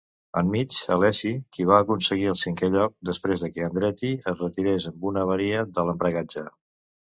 Enmig, Alesi, qui va aconseguir el cinquè lloc després de que Andretti es retirés amb una avaria de l'embragatge.